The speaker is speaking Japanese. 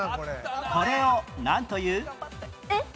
これをなんという？頑張って。